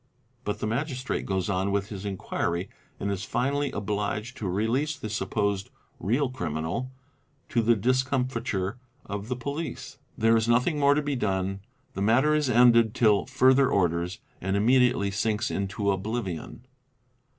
But the Magistrate goes on with his inquiry and 1s finally obliged _ to release the supposed "real criminal," to the discomfiture of the police ;_ there is nothing more to be done; the matter is ended till '" further orders," and immediately sinks into oblivion.